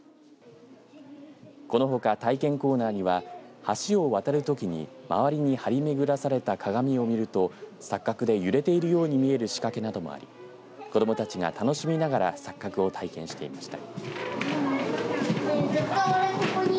このほか体験コーナーには橋を渡るときに周りに張り巡らされた鏡を見ると錯覚で揺れているように見える仕掛けなどもあり子どもたちが楽しみながら錯覚を体験していました。